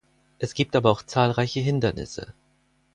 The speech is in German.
Es gibt aber auch zahlreiche Hindernisse.